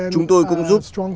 chúng tôi cũng giúp